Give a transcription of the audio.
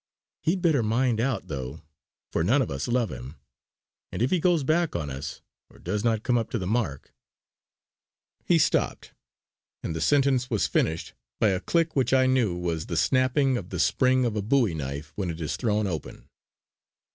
He'd better mind out, though, for none of us love him; and if he goes back on us, or does not come up to the mark " He stopped, and the sentence was finished by a click which I knew was the snapping of the spring of a bowie knife when it is thrown open.